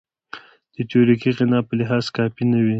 د تیوریکي غنا په لحاظ کافي نه وي.